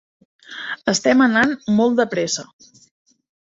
Estem anant molt de pressa.